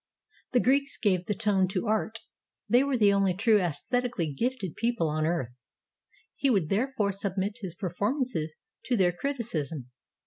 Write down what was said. The Greeks gave the tone to art, they were the only truly aesthetically gifted people on earth; he would therefore submit his performances to their criti cism.